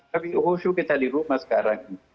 tapi khusus kita di rumah sekarang